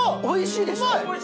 おいしいです。